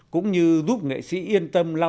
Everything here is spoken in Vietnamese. cũng như giúp nghệ sĩ yên tâm